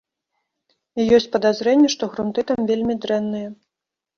І ёсць падазрэнне, што грунты там вельмі дрэнныя.